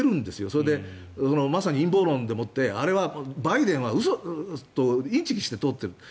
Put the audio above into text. それで、まさに陰謀論で持ってあれはバイデンはインチキをして通っていると。